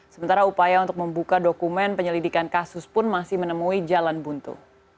sementara upaya untuk membuka dokumen penyelidikan kasus pun masih menemui jalan buntu